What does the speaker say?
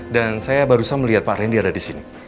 dan saya baru saja melihat pak rendy ada di sini